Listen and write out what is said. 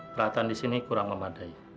peralatan di sini kurang memadai